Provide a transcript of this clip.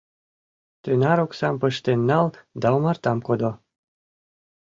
Тынар оксам пыштен нал да омартам кодо.